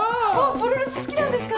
プロレス好きなんですか？